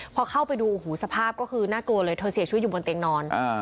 พอเข้าไปดูโอ้โหสภาพก็คือน่ากลัวเลยเธอเสียชีวิตอยู่บนเตียงนอน